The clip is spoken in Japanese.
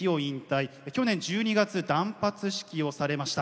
去年１２月断髪式をされました。